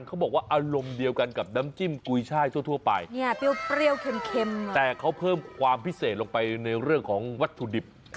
เขาบอกว่าอารมณ์เดียวกันกับน้ำจิ้มกุยช่ายทั่วไปเนี่ยเปรี้ยวเค็มแต่เขาเพิ่มความพิเศษลงไปในเรื่องของวัตถุดิบ